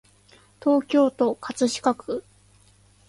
東京都葛飾区